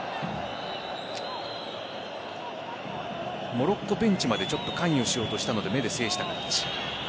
モロッコベンチまで関与しようとしたので目で制した形。